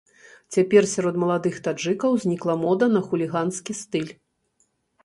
Цяпер сярод маладых таджыкаў узнікла мода на хуліганскі стыль.